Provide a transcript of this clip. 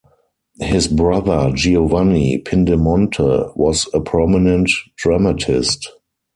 His brother Giovanni Pindemonte was a prominent dramatist.